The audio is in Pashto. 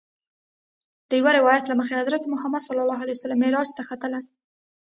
د یوه روایت له مخې حضرت محمد صلی الله علیه وسلم معراج ته ختلی.